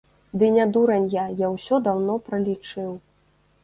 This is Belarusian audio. Ды не дурань я, я ўсё даўно пралічыў.